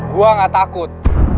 gue nggak takut